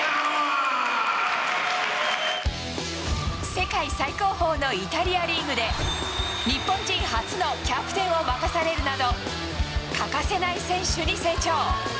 世界最高峰のイタリアリーグで、日本人初のキャプテンを任されるなど、欠かせない選手に成長。